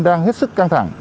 đang hết sức căng thẳng